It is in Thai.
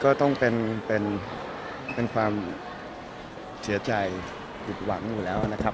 ก็แน่นอนมันก็ต้องเป็นเป็นความเสียใจหยุดหวังอยู่แล้วนะครับ